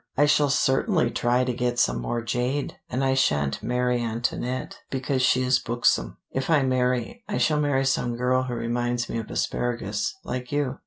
I shall certainly try to get some more jade, and I shan't marry Antoinette, because she is buxom. If I marry, I shall marry some girl who reminds me of asparagus, like you.